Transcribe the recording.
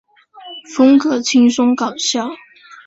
风格轻松搞笑。